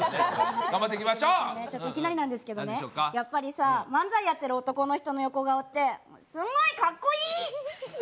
いきなりなんですけどね、やっぱりさ、漫才してる男の人の横顔ってすごいかっこいい！